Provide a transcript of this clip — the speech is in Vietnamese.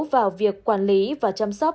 vào việc quản lý và chăm sóc